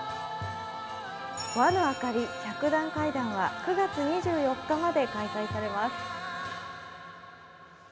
「和のあかり×百段階段」は９月２４日まで開催されます。